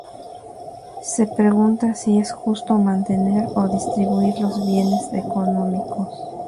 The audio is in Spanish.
Se pregunta si es justo mantener o distribuir los bienes económicos.